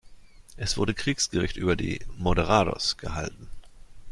Es wurde Kriegsgericht über die "Moderados" gehalten.